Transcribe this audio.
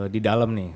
di dalam nih